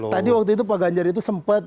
tadi waktu itu pak ganjar itu sempat